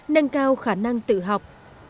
nâng cao khả năng tự học